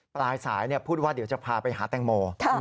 ปลายสายพูดว่าเดี๋ยวจะพาไปหาแตงโม